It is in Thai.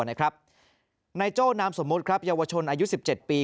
ในโจ๊กนามสมมุติยาวชนอายุ๑๗ปี